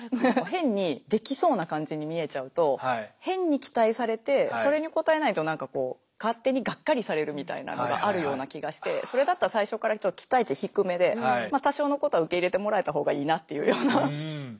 変にできそうな感じに見えちゃうと変に期待されてそれに応えないと何か勝手にがっかりされるみたいなのがあるような気がしてそれだったら最初から期待値低めで多少のことは受け入れてもらえた方がいいなっていうような。